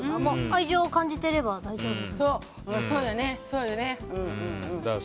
愛情を感じていれば大丈夫だなと。